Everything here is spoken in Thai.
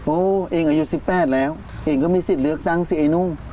เองอายุ๑๘แล้วเองก็มีสิทธิ์เลือกตั้งสิไอ้นุ่ง